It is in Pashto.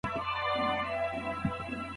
واکمن حکومتونه د ولس له ملاتړ پرته نسکورېدای سي.